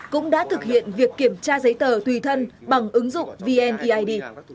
cũng đã thực hiện việc kiểm tra giấy tờ tùy thân bằng ứng dụng vneid